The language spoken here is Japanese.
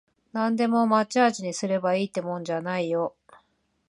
なんでも抹茶味にすればいいってもんじゃないよ